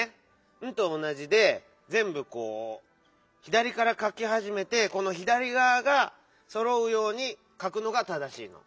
「ン」とおなじでぜんぶこう左からかきはじめてこの左がわがそろうようにかくのが正しいの。